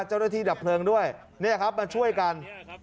เจ้าหน้าที่ดับเพลิงด้วยเนี่ยครับมาช่วยกัน